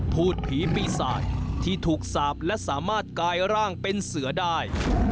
พูดผีปีศาจที่ถูกสาปและสามารถกายร่างเป็นเสือได้